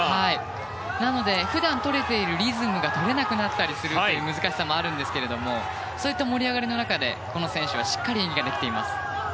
なので、普段とれているリズムがとれなくなったりするという難しさもあるんですけどそういった盛り上がりの中でこの選手はしっかり演技ができています。